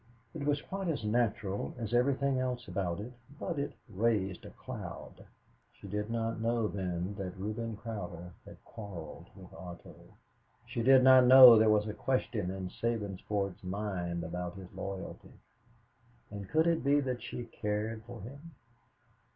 It was quite as natural as everything else about it, but it raised a cloud. "She did not know, then, that Reuben Cowder had quarreled with Otto. She did not know there was a question in Sabinsport's mind about his loyalty. And could it be that she cared for him?